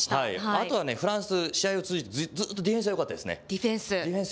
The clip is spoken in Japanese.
あとはフランス、試合を通じて、ずっとディフェンスがよかっディフェンス？